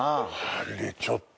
あれちょっと。